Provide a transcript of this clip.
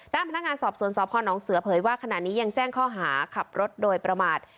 ด้านพนักงานสอบสวนสพนเสือเผยว่าขณะนี้ยังแจ้งข้อหาขับรถโดยประมาท